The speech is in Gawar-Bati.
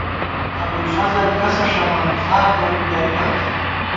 ابُوالفضل کسہ ݭمان ، فار ہورِم ترِکاں کی